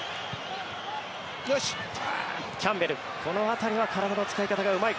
キャンベル、この辺りは体の使い方がうまい